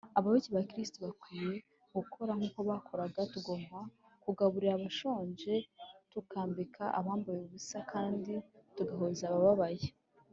abayoboke ba kristo bakwiriye gukora nk’uko yakoraga tugomba kugaburira abashonje, tukambika abambaye ubusa, kandi tugahoza abababaye